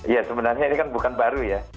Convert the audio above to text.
ya sebenarnya ini kan bukan baru ya